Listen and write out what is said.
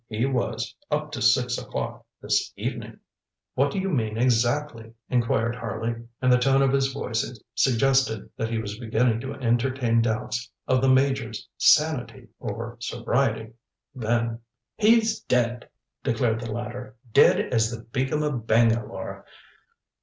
ŌĆ£He was, up to six o'clock this evenin'.ŌĆØ ŌĆ£What do you mean exactly? ŌĆØ inquired Harley, and the tone of his voice suggested that he was beginning to entertain doubts of the Major's sanity or sobriety; then: ŌĆ£He's dead! ŌĆØ declared the latter. ŌĆ£Dead as the Begum of Bangalore!